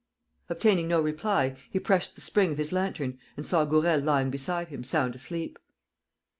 Obtaining no reply, he pressed the spring of his lantern and saw Gourel lying beside him, sound asleep.